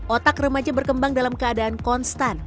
otak remaja berkembang dalam keadaan konstan